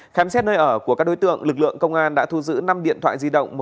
khám xét nơi ở của các đối tượng lực lượng công an đã thu giữ năm điện thoại di động